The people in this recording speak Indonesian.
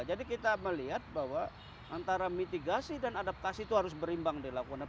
jadi kita melihat bahwa antara mitigasi dan adaptasi itu harus berimbang di lakonan